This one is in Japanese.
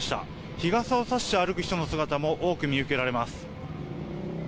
日傘を差して歩く人の姿も多く見受けられます。